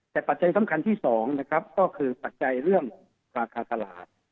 แต่ปัจจัยสำคัญที่๒นะครับก็คือปัจจัยเรื่องราคาตลาด